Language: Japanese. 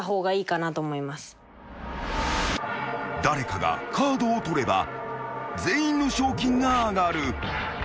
［誰かがカードを取れば全員の賞金が上がる］